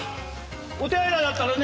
お手洗いだったらね